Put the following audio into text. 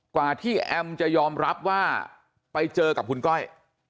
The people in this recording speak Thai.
กว่าที่แอมจะยอมรับว่าไปเจอกับคุณก้อย